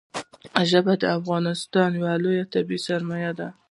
ژبې د افغانستان یو لوی طبعي ثروت دی.